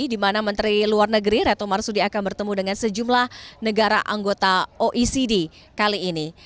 di mana menteri luar negeri retno marsudi akan bertemu dengan sejumlah negara anggota oecd kali ini